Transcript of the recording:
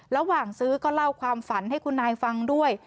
ระหว่างซื้อก็เล่าความฝันให้คุณนายฟังด้วย